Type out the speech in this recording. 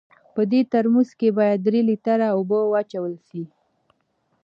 په دې ترموز کې باید درې لیټره اوبه واچول سي.